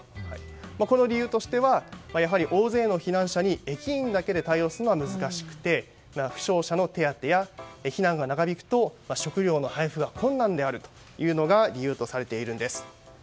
この理由としてはやはり大勢の避難者に駅員だけで対応するのは難しくて負傷者の手当てや避難が長引くと食料の配布が困難であるというのが理由とされているんです。